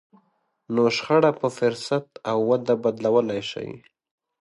نو شخړه په فرصت او وده بدلولای شئ.